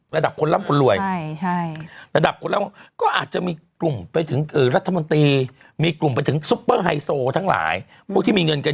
เพราะว่าน้องฟ้าใสเนี่ย